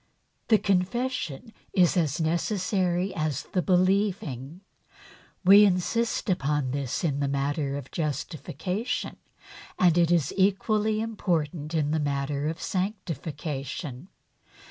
The confession is as necessary as the believing. We insist upon this in the matter of justification and it is equally important in the matter of sanctification.